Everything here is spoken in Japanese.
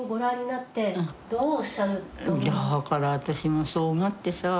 だから私もそう思ってさ。